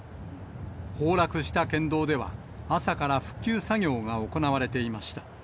崩落した県道では、朝から復旧作業が行われていました。